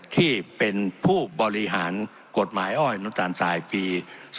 ที่เป็นผู้บริหารกฎหมายอ้อยอนุตาลทรายปี๒๕๖